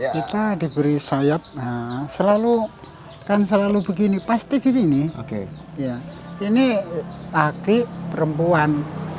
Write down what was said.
kita diberi sayap selalu begini pasti begini nih ini laki perempuan